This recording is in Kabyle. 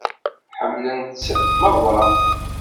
Ḥemmlen-tt merra.